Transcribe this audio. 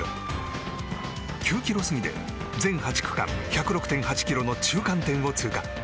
９ｋｍ過ぎで全８区間１０６．８ｋｍの中間点を通過。